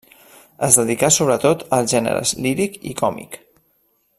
Es dedicà sobretot als gèneres líric i còmic.